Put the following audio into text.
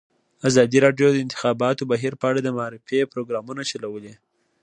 ازادي راډیو د د انتخاباتو بهیر په اړه د معارفې پروګرامونه چلولي.